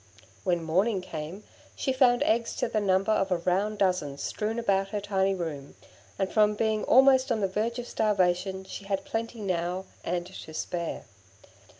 When morning came, she found eggs to the number of a round dozen strewn about her tiny room, and from being almost on the verge of starvation, she had plenty now and to spare.